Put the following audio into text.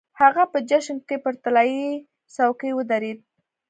هغه په جشن کې پر طلايي څوکۍ ودرېد.